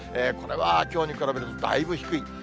これはきょうに比べるとだいぶ低い。